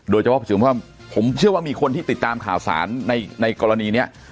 โดยเฉพาะผมเชื่อว่ามีคนที่ติดตามข่าวสารในกรณีนี้